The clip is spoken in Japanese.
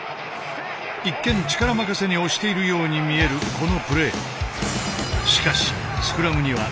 一見力任せに押しているように見えるこのプレー。